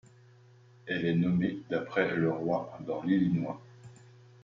Elle est nommée d'après Le Roy dans l'Illinois.